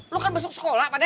lo kan besok sekolah pak de